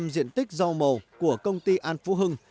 một trăm linh diện tích rau màu của công ty an phú hưng